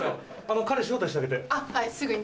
彼招待してあげて。